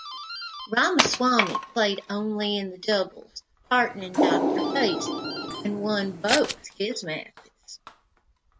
Ramaswami played only in the doubles partnering Doctor Fayzee and won both his matches.